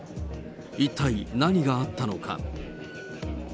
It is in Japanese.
一体何があったのか。